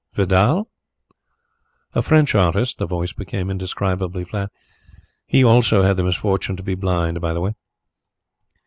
'" "Vidal?" "A French artist." The voice became indescribably flat. "He, also, had the misfortune to be blind, by the way."